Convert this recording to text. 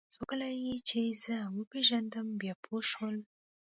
خو کله یې چې زه وپېژندلم بیا پوه شول